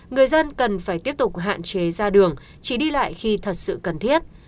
người dân cần phải tiếp tục hạn chế ra đường chỉ đi lại khi thật sự cần thiết